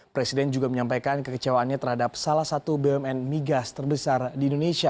presiden juga menyampaikan kekecewaannya terhadap salah satu bumn migas terbesar di indonesia